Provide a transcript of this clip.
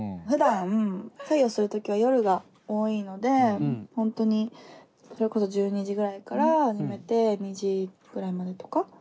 ふだん作業する時は夜が多いので本当にそれこそ１２時ぐらいから始めて２時くらいまでとか。